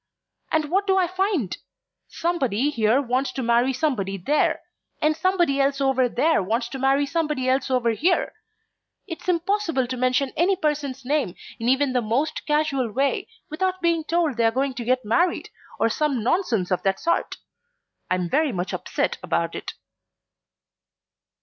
And what do I find? Somebody here wants to marry somebody there, and somebody else over there wants to marry somebody else over here; it's impossible to mention any person's name, in even the most casual way, without being told they are going to get married, or some nonsense of that sort. I'm very much upset about it."